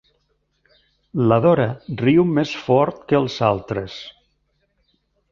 La Dora riu més fort que els altres.